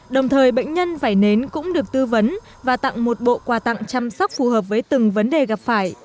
đồng thời bệnh nhân vẩy nến cũng được tư vấn và tặng một bộ quà tặng chăm sóc phù hợp với từng vấn đề gặp phải